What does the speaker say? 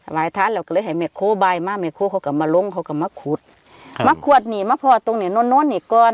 หลายทานแล้วก็เลยให้แม่โค้งบ่ายมาแม่โค้งเขากับมาลงเขากับมาขุดครับมาขวดนี่มาพอตรงเนี้ยโน้นโน้นเนี้ยก่อน